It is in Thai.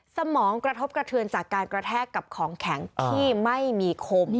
สมองกระทบกระเทือนจากการกระแทกกับของแข็งที่ไม่มีคม